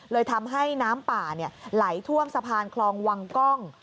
เลยทำให้น้ำป่าไหลท่วมสะพานคลองวังกล้อง